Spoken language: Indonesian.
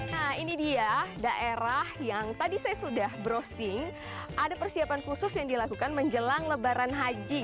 nah ini dia daerah yang tadi saya sudah browsing ada persiapan khusus yang dilakukan menjelang lebaran haji